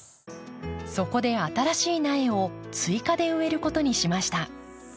そこで新しい苗を追加で植えることにしました。